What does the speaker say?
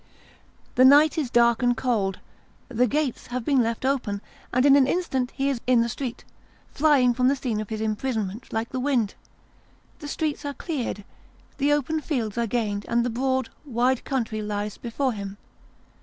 The night is dark and cold, the gates have been left open, and in an instant he is in the street, flying from the scene of this imprisonment like the wind. The streets are cleared, the open fields are gained and the broad wide country lies before him.